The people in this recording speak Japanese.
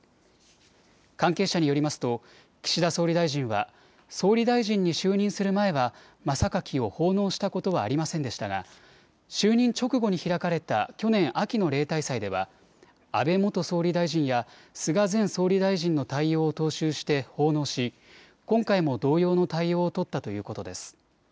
関係者によりますと岸田総理大臣は総理大臣に就任する前は真榊を奉納したことはありませんでしたが、就任直後に開かれた去年秋の例大祭では安倍元総理大臣や菅前総理大臣の対応を踏襲して奉納し今回も同様の対応を取ったということです。